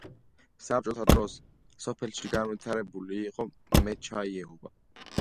საბჭოთა დროს სოფელში განვითარებული იყო მეჩაიეობა.